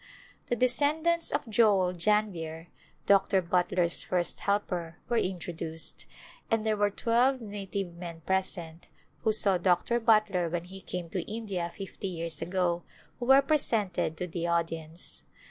The descendants of Joel Janvier, Dr. Butler's first helper, were introduced, and there were twelve native men present, who saw Dr. Butler when he came to India fifty years ago, who were presented to the au dience.